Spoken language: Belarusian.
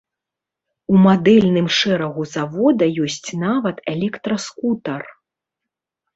У мадэльным шэрагу завода ёсць нават электраскутар.